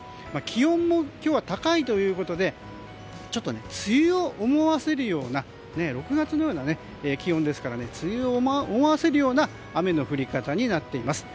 気温も今日は高いということで６月のような気温ですから梅雨を思わせるような雨の降り方になっています。